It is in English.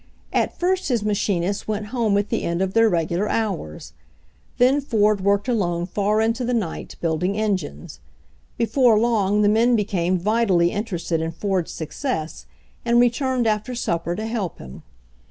At first his machinists went home at the end of their regular hours ; then Ford worked alone far into the night, building engines. Before long the men became vitally interested in Ford's success and returned after supper to help him.